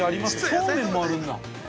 そうめんもあるんだ。